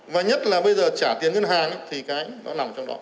và nhất là bây giờ trả tiền ngân hàng thì cái nó nằm trong đó